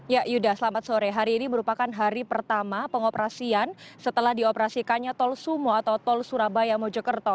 ya yuda selamat sore hari ini merupakan hari pertama pengoperasian setelah dioperasikannya tol sumo atau tol surabaya mojokerto